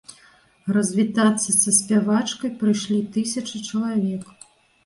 Развітацца са спявачкай прыйшлі тысячы чалавек.